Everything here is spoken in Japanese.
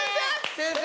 先生！